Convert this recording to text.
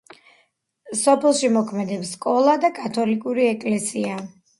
სოფელში მოქმედებს სკოლა და კათოლიკური ეკლესია.